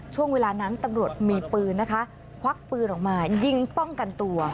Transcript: ช่วงเวลานั้นตำรวจมีปืนนะคะควักปืนออกมายิงป้องกันตัว